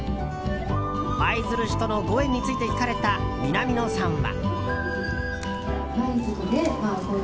舞鶴市とのご縁について聞かれた南野さんは。